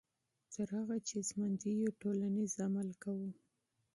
تر هغه چې ژوندي یو ټولنیز عمل کوو.